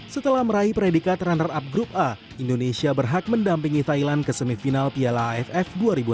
setelah meraih predikat runner up grup a indonesia berhak mendampingi thailand ke semifinal piala aff dua ribu enam belas